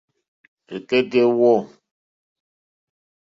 Rzɛ̀kɛ́tɛ́ wɔ̂.